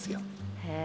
へえ。